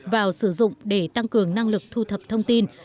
vào sử dụng để tăng cường năng lực thu thập thông tin